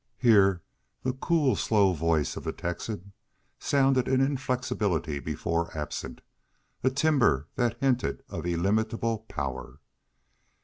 Here the cool, slow voice of the Texan sounded an inflexibility before absent, a timber that hinted of illimitable power.